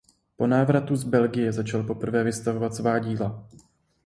Po návratu z Belgie začal poprvé vystavovat svá díla.